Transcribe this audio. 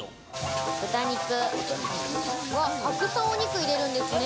豚肉、たくさんお肉入れるんですね。